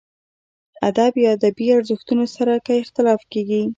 ادب یا ادبي ارزښتونو سره که اختلاف کېږي.